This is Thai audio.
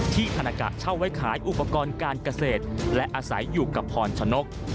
ธนากะเช่าไว้ขายอุปกรณ์การเกษตรและอาศัยอยู่กับพรชนก